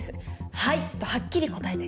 「はい」とはっきり答えて。